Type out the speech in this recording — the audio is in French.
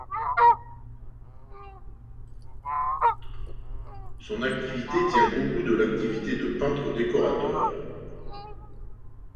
Son activité tient beaucoup de l'activité de peintre décorateur.